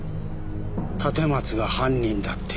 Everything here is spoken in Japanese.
立松が犯人だって。